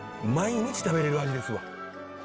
毎日食べれる味ですわ。